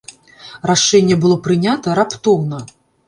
Рашэнне было прынята раптоўна.